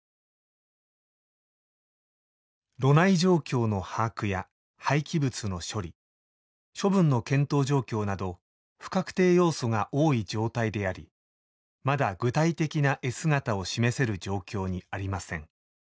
「炉内状況の把握や廃棄物の処理・処分の検討状況など不確定要素が多い状態でありまだ具体的な絵姿を示せる状況にありません。